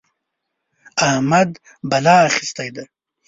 احمد بلا اخيستی دی.